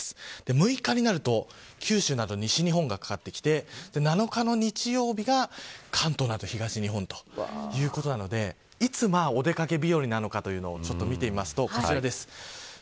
６日になると九州など西日本にかかってきて７日の日曜日が、関東など東日本ということなのでいつお出掛け日和なのかというのを見てみるとこちらです。